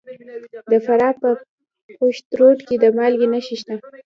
د فراه په پشت رود کې د مالګې نښې شته.